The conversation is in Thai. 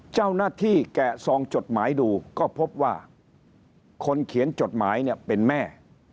แกะซองจดหมายดูก็พบว่าคนเขียนจดหมายเนี่ยเป็นแม่